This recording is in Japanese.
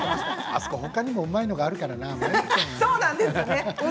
あそこ、ほかにもうまいもん、あるからな。